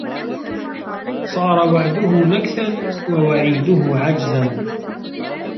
صَارَ وَعْدُهُ نَكْثًا وَوَعِيدُهُ عَجْزًا